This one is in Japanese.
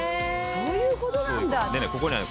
そういう事なんだ。